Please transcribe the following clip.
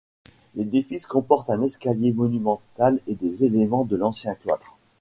L'édifice comporte un escalier monumental et des éléments de l'ancien cloître.